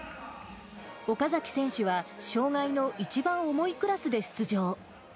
岡崎選手は障がいの一番重いクラスで出場。